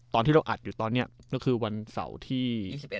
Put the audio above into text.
ตอนที่เราอัดอยู่ตอนนี้ก็คือวันเสาร์ที่๑๑